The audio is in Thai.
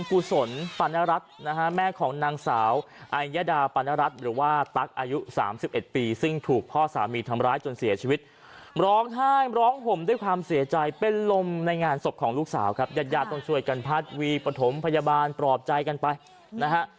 กุศลปรณรัฐนะฮะแม่ของนางสาวไอยดาปานรัฐหรือว่าตั๊กอายุสามสิบเอ็ดปีซึ่งถูกพ่อสามีทำร้ายจนเสียชีวิตร้องไห้ร้องห่มด้วยความเสียใจเป็นลมในงานศพของลูกสาวครับญาติญาติต้องช่วยกันพัดวีปฐมพยาบาลปลอบใจกันไปนะฮะ